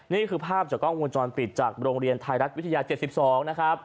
นี่คือภาพจากกล้องวงจรปิดจากโรงเรียนไทยรัฐวิทยา๗๒นะครับ